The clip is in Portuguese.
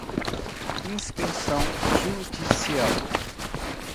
inspeção judicial